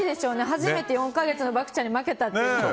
始めて４か月の獏ちゃんに負けたっていうの。